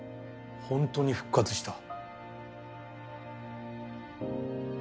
本当に復活した。